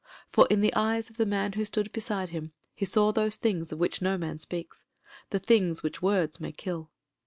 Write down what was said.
For in the eyes of the man who stood beside him he saw those things of which no man speaks ; the things which words may kill.